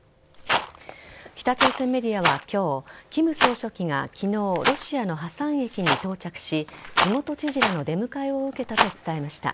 北朝鮮メディアは今日金総書記が昨日ロシアのハサン駅に到着し地元知事らの出迎えを受けたと伝えました。